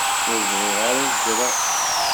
Ur bɣiɣ ara ad ddreɣ.